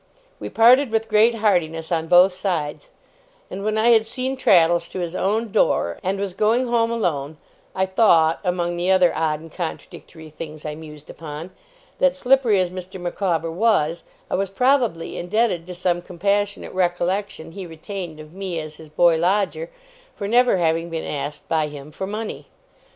We parted with great heartiness on both sides; and when I had seen Traddles to his own door, and was going home alone, I thought, among the other odd and contradictory things I mused upon, that, slippery as Mr. Micawber was, I was probably indebted to some compassionate recollection he retained of me as his boy lodger, for never having been asked by him for money.